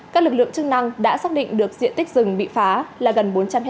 các lực lượng chức năng đã xác định được diện tích rừng bị phá là gần bốn trăm linh ha